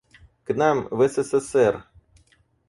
К нам, в СССР!